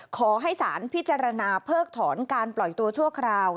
ขอให้สารพิจารณาเพิกถอนการปล่อยตัวชั่วคราว